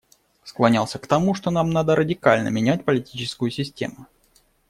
Склонялся к тому, что нам надо радикально менять политическую систему.